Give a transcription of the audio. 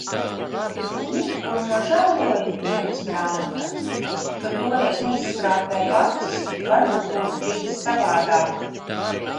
Zini, ko nožēloju, dienasgrāmata, ka toreiz neizskrāpēju acis, varbūt būtu bijis savādāk.